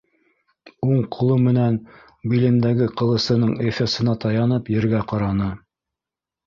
Уң ҡулы менән билендәге ҡылысының эфесына таянып, ергә ҡараны.